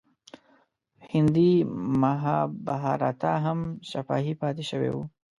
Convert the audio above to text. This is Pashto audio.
هندي مهابهاراتا هم شفاهي پاتې شوی و.